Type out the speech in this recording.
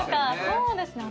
そうですね